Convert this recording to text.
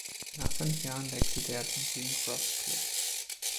Nach fünf Jahren wechselte er zum Green Cross Club.